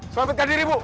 selamatkan diri ibu